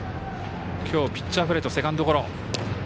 今日ピッチャーフライとセカンドゴロ。